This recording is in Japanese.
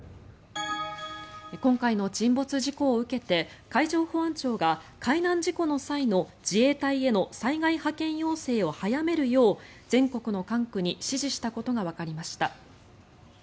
今回の沈没事故を受けて海上保安庁が海難事故の際の自衛隊への災害派遣要請を早めるよう全国の管区に指示したことがわかりました。